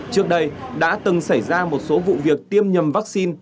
trước đây đã từng xảy ra một số vụ việc tiêm nhầm vaccine